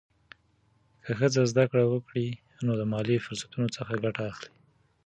که ښځه زده کړه وکړي، نو د مالي فرصتونو څخه ګټه اخلي.